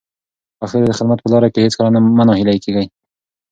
پښتو ته د خدمت په لاره کې هیڅکله مه ناهیلي کېږئ.